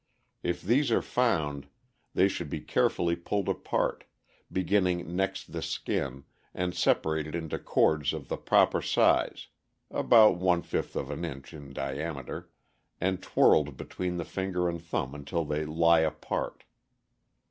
If these are found, they should be carefully pulled apart, beginning next the skin, and separated into cords of the proper size (about one fifth of an inch in diameter), and twirled between the finger and thumb until they lie apart.